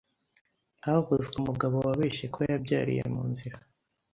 havuzwe umugabo wabeshye ko yabyariye mu nzira